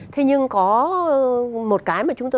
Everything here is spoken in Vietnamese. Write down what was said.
thế nhưng có một cái mà chúng tôi